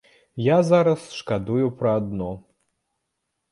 Я зараз шкадую пра адно.